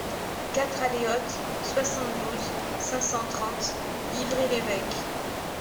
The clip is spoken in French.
quatre allée Haute, soixante-douze, cinq cent trente, Yvré-l'Évêque